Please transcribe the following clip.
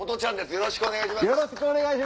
よろしくお願いします。